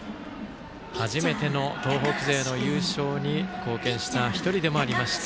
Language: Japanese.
初めての東北勢の優勝に貢献した１人でもありました。